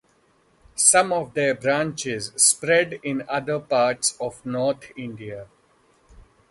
Some of their branches spread in other parts of north India.